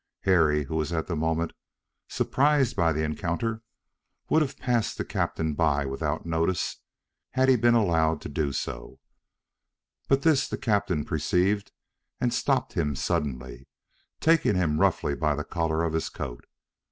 Harry, who was at the moment surprised by the encounter, would have passed the captain by without notice, had he been allowed to do so; but this the captain perceived, and stopped him suddenly, taking him roughly by the collar of his coat.